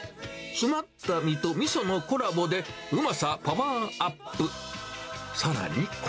詰まった身とみそのコラボで、うまさパワーアップ。